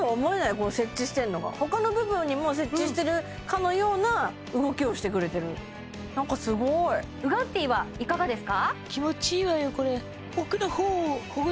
この接地してるのが他の部分にも接地してるかのような動きをしてくれてるなんかすごいウガッティーはいかがですか？